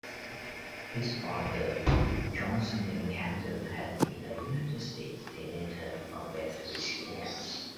His father, Johnson N. Camden, had been a United States Senator from West Virginia.